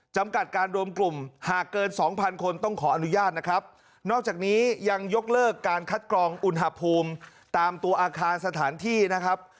จำกัดการรวมกลุ่มหากเกินสองพันคนต้องขออนุญาตนะครับนอกจากนี้ยังยกเลิกการคัดกรองอุณหภูมิตามตัวอาคารสถานที่นะครับ